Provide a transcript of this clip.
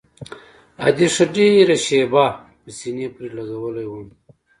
ادې ښه ډېره شېبه په سينې پورې لګولى وم.